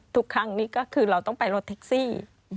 ทุกครั้งนี้ก็คือเราต้องไปรถแท็กซี่